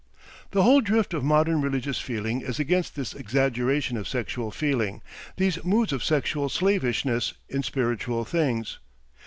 The whole drift of modern religious feeling is against this exaggeration of sexual feeling, these moods of sexual slavishness, in spiritual things.